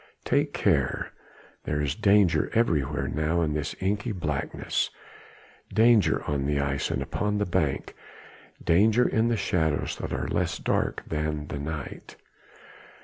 Take care! there is danger everywhere now in this inky blackness! danger on the ice, and upon the bank, danger in the shadows that are less dark than the night!